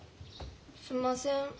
すんません。